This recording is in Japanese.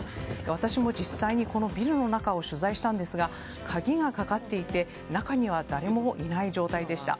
私も実際にこのビルの中を取材したんですが鍵がかかっていて中には誰もいない状態でした。